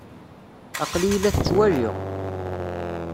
Aql-iyi la t-ttwaliɣ.